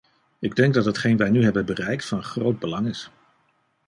Ik denk dat hetgeen wij nu hebben bereikt van groot belang is.